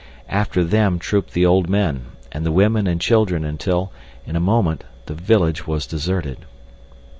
After them trooped the old men, and the women and children until, in a moment, the village was deserted.